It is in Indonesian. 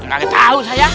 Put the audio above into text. gak ketau saya